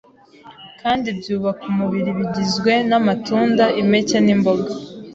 kandi byubaka umubiri bigizwe n’amatunda, impeke n’imboga,